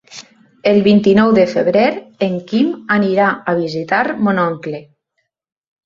El vint-i-nou de febrer en Quim anirà a visitar mon oncle.